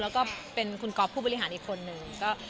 แล้วก็เป็นคุณก๊อฟผู้บริหารอีกคนนึง